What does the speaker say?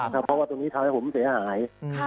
เพราะว่าตรงนี้ทำให้ผมเสียหาย